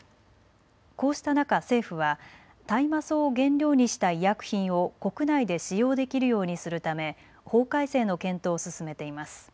こうした中、政府は大麻草を原料にした医薬品を国内で使用できるようにするため法改正の検討を進めています。